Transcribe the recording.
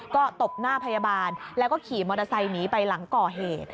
ก็ตบหน้าพยาบาลแล้วก็ขี่มอเตอร์ไซค์หนีไปหลังก่อเหตุ